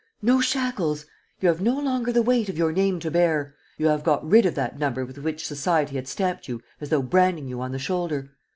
No shackles! You have no longer the weight of your name to bear! You have got rid of that number with which society had stamped you as though branding you on the shoulder.